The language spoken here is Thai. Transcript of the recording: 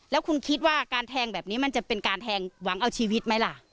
แล้วคุณคิดว่าการแทงแบบนี้มันจะเป็นการแทงหวังเอาชีวิตไหมล่ะ